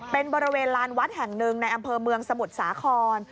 เป็นบริเวณลานวัดแห่งหนึ่งในอำเภอเมืองสมุทรสาคร